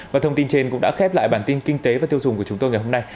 và thông tin trên cũng đã khép lại bản tin kinh tế và tiêu dùng của chúng tôi ngày hôm nay